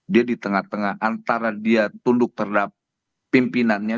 dia di tengah tengah antara dia tunduk terhadap pimpinannya